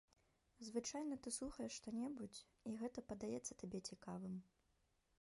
Звычайна ты слухаеш што-небудзь, і гэта падаецца табе цікавым.